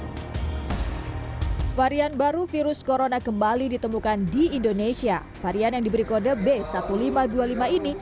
hai varian baru virus corona kembali ditemukan di indonesia varian yang diberi kode b seribu lima ratus dua puluh lima ini